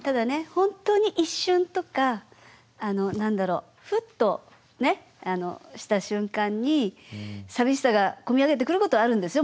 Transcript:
本当に一瞬とか何だろうふっとした瞬間に寂しさがこみ上げてくることはあるんですよ